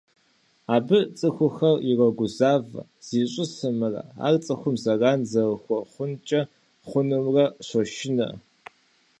Абы цӀыхухэр ирогузавэ, зищӀысымрэ ар цӀыхум зэран зэрыхуэхъункӀэ хъунумрэ щошынэ.